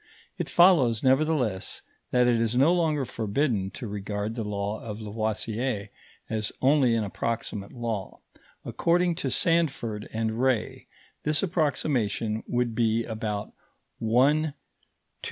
It follows nevertheless that it is no longer forbidden to regard the law of Lavoisier as only an approximate law; according to Sandford and Ray, this approximation would be about 1/2,400,000.